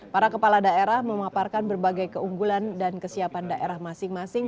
para kepala daerah memaparkan berbagai keunggulan dan kesiapan daerah masing masing